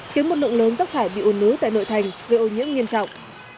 khiến một lượng lớn rắc khải bị u nứ tại nội thành gây ô nhiễm nghiêm trọng